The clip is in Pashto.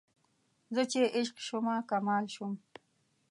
زه چې عشق شومه کمال شوم